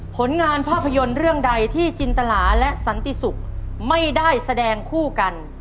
ผลงานภาพยนตร์เรื่องใดที่จินตราและสันติสุข